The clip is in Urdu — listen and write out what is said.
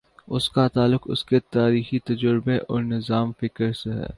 اس کا تعلق اس کے تاریخی تجربے اور نظام فکر سے ہے۔